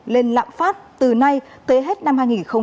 lên lạm phát từ nay tới hết năm hai nghìn hai mươi